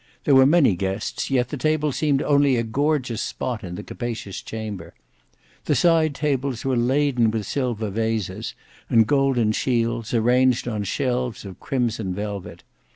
There were many guests, yet the table seemed only a gorgeous spot in the capacious chamber. The side tables were laden with silver vases and golden shields arranged on shelves of crimson velvet.